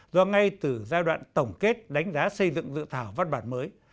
do ngay từ giai đoạn tổng kết đánh giá xây dựng dự thảo văn bản mới